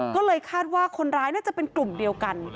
ก็เลยคาดว่าคนร้ายน่าจะเป็นกลุ่มเดียวกัน